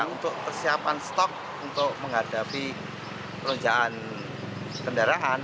untuk persiapan stok untuk menghadapi lonjakan kendaraan